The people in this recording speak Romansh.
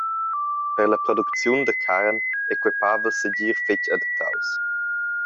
Per la producziun da carn ei quei pavel segir fetg adattaus.